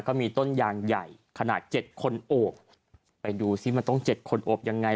ก็มีต้นยางใหญ่ขนาดเจ็ดคนโอบไปดูซิมันต้องเจ็ดคนโอบยังไง